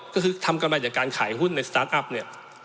ก็คือทำกันมาจากการขายหุ้นในสตาร์ทอัพเนี่ย